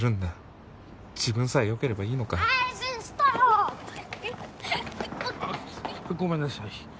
あっごめんなさい。